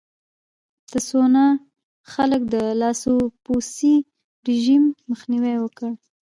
د تسوانا خلکو د لاسپوڅي رژیم مخنیوی وکړ.